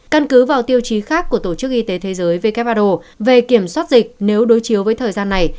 căn cứ vào tiêu chí khác của tổ chức y tế thế giới who về kiểm soát dịch nếu đối chiếu với thời gian này